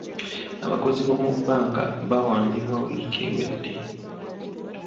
Abakozi b'omu bbanka bawambibwa wiiki ewedde